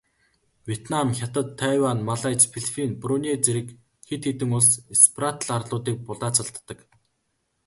Вьетнам, Хятад, Тайвань, Малайз, Филиппин, Бруней зэрэг хэд хэдэн улс Спратл арлуудыг булаацалддаг.